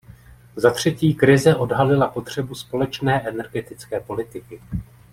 Za třetí, krize odhalila potřebu společné energetické politiky.